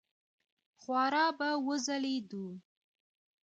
خورا به وځلېدو.